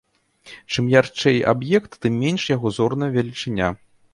Чым ярчэй аб'ект, тым менш яго зорная велічыня.